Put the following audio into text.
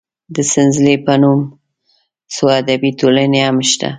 د سنځلې په نوم څو ادبي ټولنې هم شته.